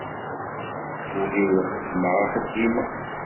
S wul-iw i xeddmeɣ axeddim-a.